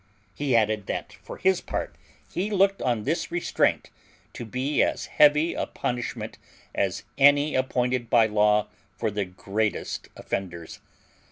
He added, that for his part, he looked on this restraint to be as heavy a punishment as any appointed by law for the greatest offenders.